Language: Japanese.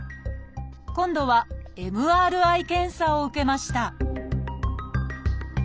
今度はＭＲＩ検査を受けました